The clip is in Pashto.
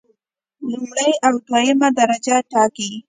لومړی او دویمه درجه ټاکنې